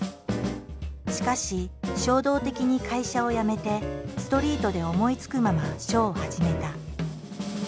しかし衝動的に会社を辞めてストリートで思いつくまま書を始めた。